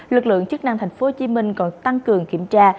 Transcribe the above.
lực lượng chức năng tp hcm còn tăng cường kiểm tra